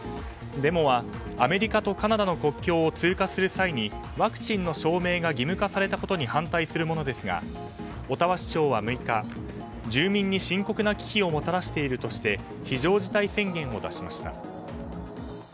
デモはアメリカとカナダの国境を通過する際にワクチンの証明が義務化されたことに反対するものですがオタワ市長は６日住民に深刻な危機をもたらしているとして非常事態宣言を出しました。